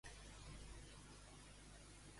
Què vol aconseguir Esquerra amb la seva decisió?